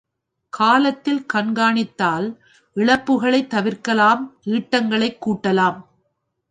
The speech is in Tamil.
காலத்தில் கண்காணித்தால் இழப்புக்களைத் தவிர்க்கலாம் ஈட்டங்களைக் கூட்டலாம்.